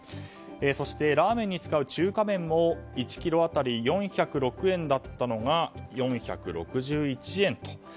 そしてラーメンに使う中華麺も１ｋｇ当たり４０６円だったのが４６１円と。